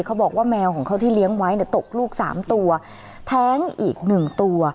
เขาบอกว่าแมวของเขาที่เลี้ยงไว้ตกลูก๓ตัวแท้งอีก๑ตัว